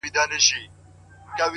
وړې څپې له توپانونو سره لوبي کوي!!